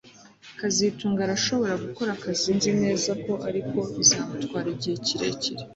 kazitunga arashobora gukora akazi nzi neza ko ariko bizamutwara igihe kirekire